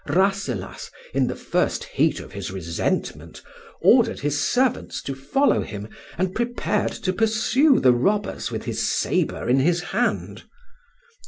Rasselas, in the first heat of his resentment, ordered his servants to follow him, and prepared to pursue the robbers with his sabre in his hand.